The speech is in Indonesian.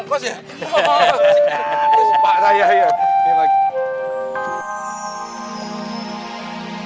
oh pakai omkos ya